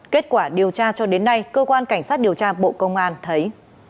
kết quả điều tra cho đến nay cơ quan cảnh sát điều tra bộ công an thấy